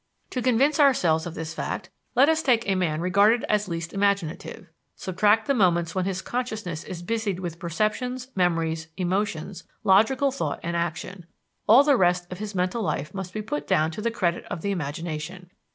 To convince ourselves of this fact, let us take a man regarded as least imaginative: subtract the moments when his consciousness is busied with perceptions, memories, emotions, logical thought and action all the rest of his mental life must be put down to the credit of the imagination.